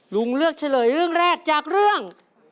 เลือกเฉลยเรื่องแรกจากเรื่อง